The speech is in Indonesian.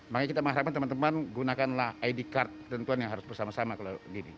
makanya kita mengharapkan teman teman gunakanlah id card tentuan yang harus bersama sama kalau gini